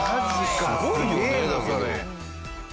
すごいよねだけど。